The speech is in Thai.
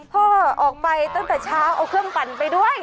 พ่อออกไปตั้งแต่เช้าเอาเครื่องปั่นไปด้วย